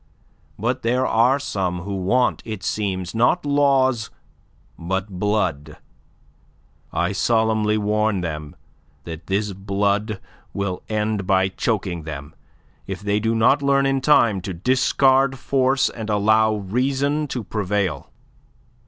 For there are some who want, it seems, not laws, but blood; I solemnly warn them that this blood will end by choking them, if they do not learn in time to discard force and allow reason to prevail."